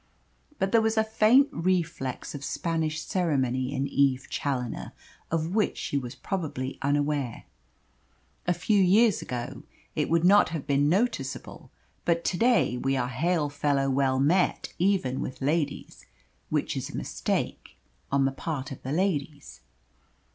But there was a faint reflex of Spanish ceremony in Eve Challoner, of which she was probably unaware. A few years ago it would not have been noticeable, but to day we are hail fellow well met even with ladies which is a mistake, on the part of the ladies.